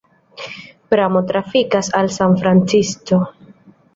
Pramo trafikas al San Francisco.